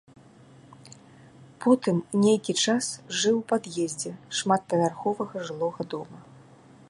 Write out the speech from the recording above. Потым нейкі час жыў у пад'ездзе шматпавярховага жылога дома.